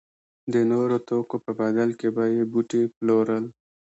د نورو توکو په بدل کې به یې بوټي پلورل.